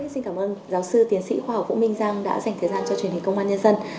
xin cảm ơn giáo sư tiến sĩ khoa học vũ minh giang đã dành thời gian cho truyền hình công an nhân dân